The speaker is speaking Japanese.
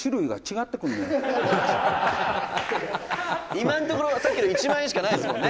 「今のところは、さっきの１万円しかないですもんね」